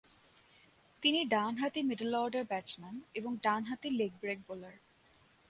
তিনি ডানহাতি middle order batsman এবং ডানহাতি লেগ ব্রেক বোলার।